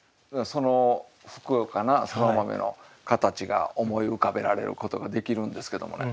そのふくよかなそら豆の形が思い浮かべられることができるんですけどもね。